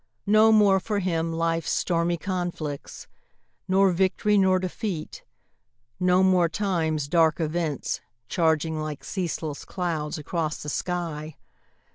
No more for him life's stormy conflicts, Nor victory, nor defeat no more time's dark events, Charging like ceaseless clouds across the sky.